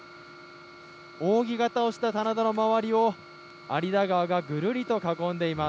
扇形をした棚田の周りを有田川がぐるりと囲んでいます。